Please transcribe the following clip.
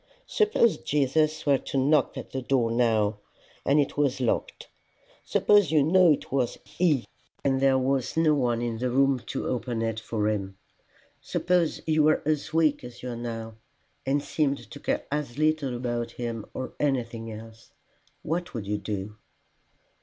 Suppose Jesus were to knock at the door now, and it was locked; suppose you knew it was he, and there was no one in the room to open it for him; suppose you were as weak as you are now, and seemed to care as little about him or anything else: what would you do?"